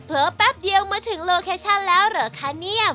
แป๊บเดียวมาถึงโลเคชั่นแล้วเหรอคะเนี่ย